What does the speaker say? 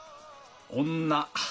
女。